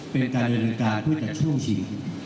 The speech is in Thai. เป็นการกำเนินการเพื่อจะช่วงชิง